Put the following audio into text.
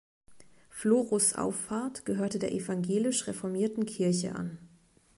Florus Auffarth gehörte der evangelisch-reformierten Kirche an.